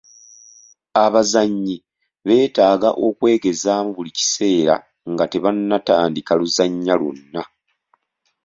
Abazannyi beetaaga okwegezaamu buli kiseera nga tebannatandika luzannya lwonna.